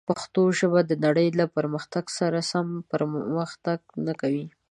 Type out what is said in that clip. پښتو ژبه د نړۍ له پرمختګ سره سم پرمختګ نه کوي.